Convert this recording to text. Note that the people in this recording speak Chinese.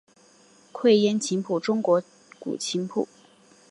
愧庵琴谱中国古琴谱。